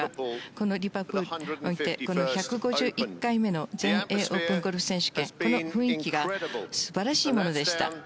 このリバプールにおいて１５１回目の全英オープンゴルフ選手権この雰囲気が素晴らしいものでした。